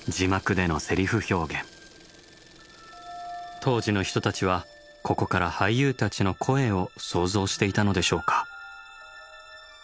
当時の人たちはここから俳優たちの声を想像していたのでしょうか。